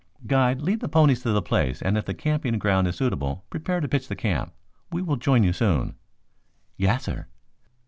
"Guide, lead the ponies to the place, and if the camping ground is suitable, prepare to pitch the camp. We will join you soon." "Yassir."